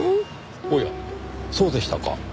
おやそうでしたか。